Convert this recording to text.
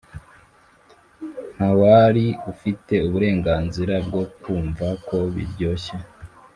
ntawari ufite uburenganzira bwo kumva ko biryoshye